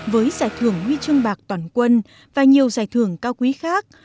với giải thưởng huy chương bạc toàn quân và nhiều giải thưởng cao quý khác